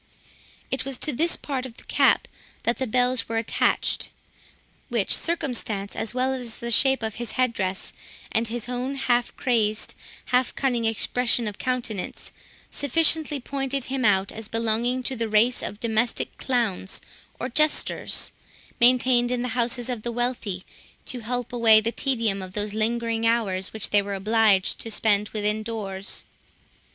It was to this part of the cap that the bells were attached; which circumstance, as well as the shape of his head dress, and his own half crazed, half cunning expression of countenance, sufficiently pointed him out as belonging to the race of domestic clowns or jesters, maintained in the houses of the wealthy, to help away the tedium of those lingering hours which they were obliged to spend within doors.